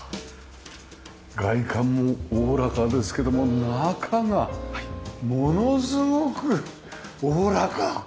外観もおおらかですけども中がものすごくおおらか。